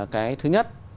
cái thứ nhất